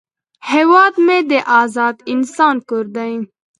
هیواد مې د آزاد انسان کور دی